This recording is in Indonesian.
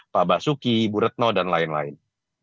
pak basuki bu retno dan lain lain